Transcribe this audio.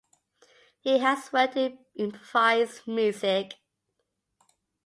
He has worked in improvised music.